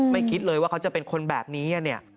ไม่คิดเลยว่าเขาจะเป็นคนแบบนี้เนี่ย